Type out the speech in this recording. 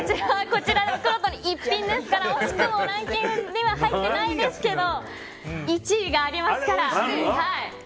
こちらくろうとの逸品ですから惜しくもランキングには入ってないんですけど１位がありますから。